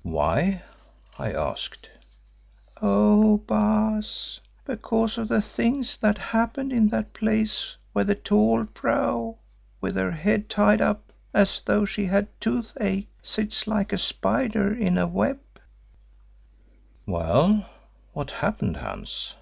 "Why?" I asked. "Oh, Baas, because of the things that happened in that place where the tall vrouw with her head tied up as though she had tooth ache, sits like a spider in a web." "Well, what happened, Hans?"